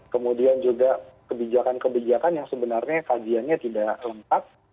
kemudian juga kebijakan kebijakan yang sebenarnya kajiannya tidak lengkap